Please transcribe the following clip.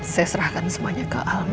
saya serahkan semuanya ke al mas chandra